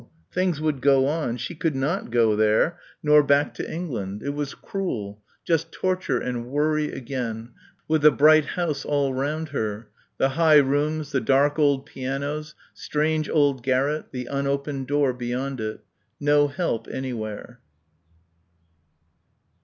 Things would go on. She could not go there nor back to England. It was cruel ... just torture and worry again ... with the bright house all round her the high rooms, the dark old pianos, strange old garret, the unopened door beyond it. No help anywhere.